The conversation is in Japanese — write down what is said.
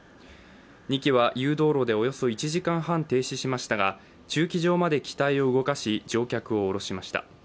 ２機は誘導路でおよそ１時間半停止しましたが駐機場まで機体を動かし乗客を降ろしました。